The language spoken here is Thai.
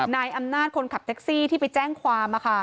นายอำนาจคนขับแท็กซี่ที่ไปแจ้งความ